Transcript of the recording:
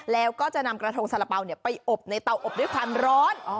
แล้วก็จะนำกระทงสาระเป๋าไปอบในเตาอบด้วยความร้อน